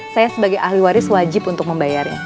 saya sebagai ahli waris wajib untuk membayarnya